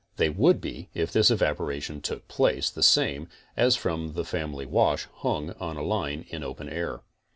They would be if this evaporation took place the same as from the family wash hung on a line in open air.